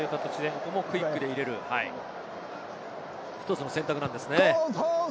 ここもクイックで入れる１つの選択なんですね。